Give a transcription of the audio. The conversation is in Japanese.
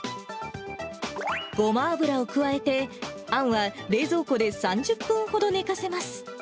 ごま油を加えて、あんは冷蔵庫で３０分ほど寝かせます。